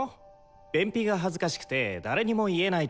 便秘が恥ずかしくて誰にも言えないとか。